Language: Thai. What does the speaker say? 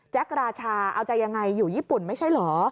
ราชาเอาใจยังไงอยู่ญี่ปุ่นไม่ใช่เหรอ